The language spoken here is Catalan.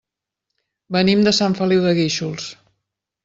Venim de Sant Feliu de Guíxols.